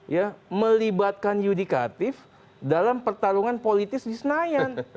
ya melibatkan yudikatif dalam pertarungan politis di senayan